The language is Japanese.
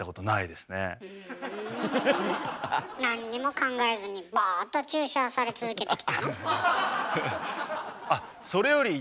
なんにも考えずにボーっと注射され続けてきたの？